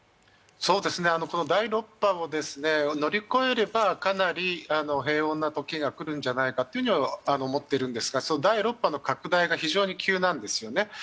第６波を乗り越えればかなり平穏なときが来るんじゃないかと思っているんですがその第６波の拡大が非常に急なんですよね。